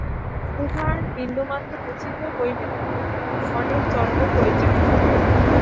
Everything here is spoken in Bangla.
উহার বিন্দুমাত্র বুঝিতে হইলেও অনেক জন্ম প্রয়োজন।